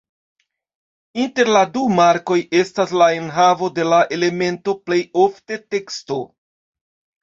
Inter la du markoj estas la enhavo de la elemento, plej ofte teksto.